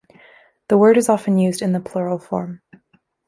The word is often used in the plural form.